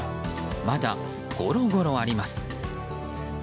まだ、ゴロゴロあります。